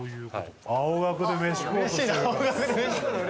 青学でメシ食おうとしてる。